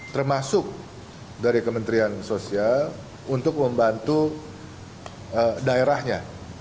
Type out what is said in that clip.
termasuk dari kementerian sosial untuk membantu daerahnya